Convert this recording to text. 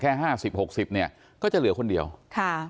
ห้าสิบหกสิบเนี้ยก็จะเหลือคนเดียวค่ะ